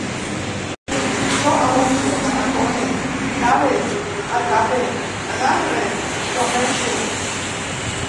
Jo al·lotege, arracone, cale, atrape, agarre, bromege